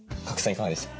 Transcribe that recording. いかがでしたか？